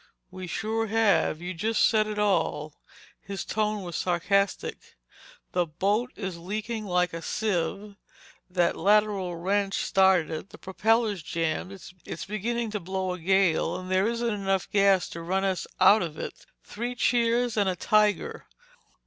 "We sure have. You just said it all—" His tone was sarcastic. "The boat is leaking like a sieve. That lateral wrench started it. The propeller's jammed. It's beginning to blow a gale and there isn't enough gas to run us out of it. Three cheers and a tiger!